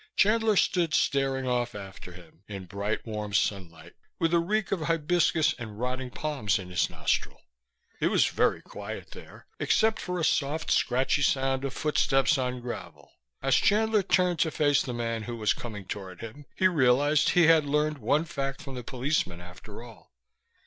Chandler stood staring off after him, in bright warm sunlight with a reek of hibiscus and rotting palms in his nostril. It was very quiet there, except for a soft scratchy sound of footsteps on gravel. As Chandler turned to face the man who was coming toward him, he realized he had learned one fact from the policeman after all.